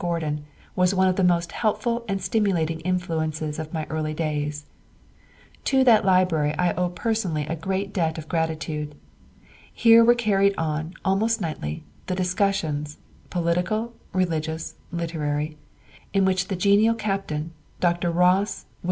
Gordon, was one of the most helpful and stimulating influences of my early days. To that library I owe personally a great debt of gratitude. Here were carried on, almost nightly, the discussions—political, religious, literary—in which the genial captain, Dr. Ross, Wm.